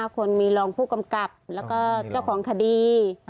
คนมีรองผู้กำกับแล้วก็เจ้าของคดี